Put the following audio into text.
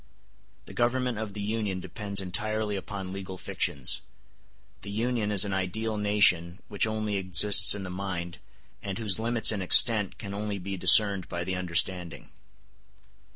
The government of the Union depends entirely upon legal fictions; the Union is an ideal nation which only exists in the mind, and whose limits and extent can only be discerned by the understanding.